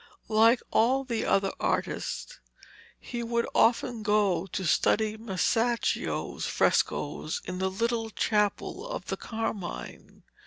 Like all the other artists, he would often go to study Masaccio's frescoes in the little chapel of the Carmine.